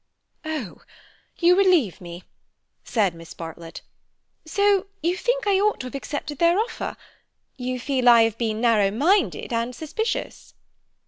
"Oh, you relieve me," said Miss Bartlett. "So you think I ought to have accepted their offer? You feel I have been narrow minded and suspicious?"